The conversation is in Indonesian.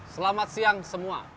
selamat siang semua